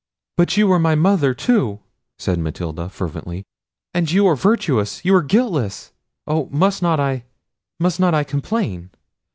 "But you are my mother too," said Matilda fervently; "and you are virtuous, you are guiltless!—Oh! must not I, must not I complain?"